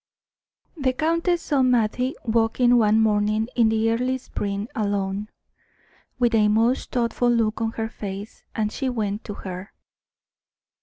The countess saw Mattie walking one morning in the early spring alone, with a most thoughtful look on her face, and she went to her.